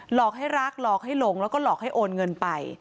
หลอกให้รักหลอกให้หลงแล้วก็หลอกให้โอนเงินไป